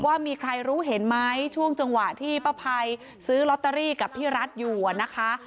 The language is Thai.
ว่ามีใครรู้เห็นไหมช่วงจังหวะที่ป้าภัยซื้อลอตเตอรี่กับพี่รัฐอยู่นะคะ